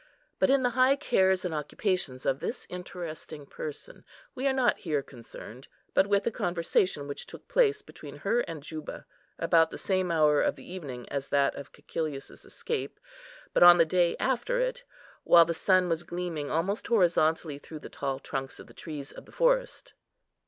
But in the high cares and occupations of this interesting person, we are not here concerned; but with a conversation which took place between her and Juba, about the same hour of the evening as that of Cæcilius's escape, but on the day after it, while the sun was gleaming almost horizontally through the tall trunks of the trees of the forest.